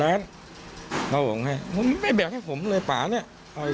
เอาอีกแล้ว